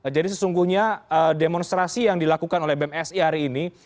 jadi sesungguhnya demonstrasi yang dilakukan oleh bmsi hari ini